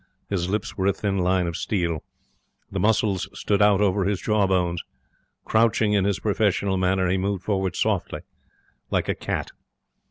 His lips were a thin line of steel. The muscles stood out over his jaw bones. Crouching in his professional manner, he moved forward softly, like a cat.